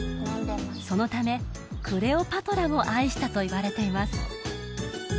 そのためクレオパトラも愛したといわれています